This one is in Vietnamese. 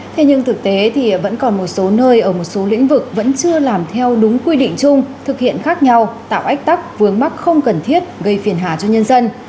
thế nhưng thực tế thì vẫn còn một số nơi ở một số lĩnh vực vẫn chưa làm theo đúng quy định chung thực hiện khác nhau tạo ách tắc vướng mắc không cần thiết gây phiền hà cho nhân dân